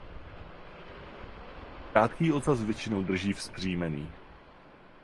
Krátký ocas většinou drží vzpřímený.